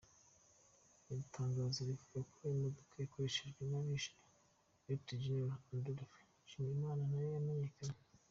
Iri tangazo rivuga ko imodoka yakoreshejwe n’abishe Lt Gen Adolphe Nshimiyimana nayo yamenyekanye.